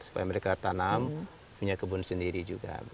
supaya mereka tanam punya kebun sendiri juga